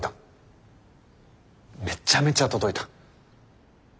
めちゃめちゃ届いた。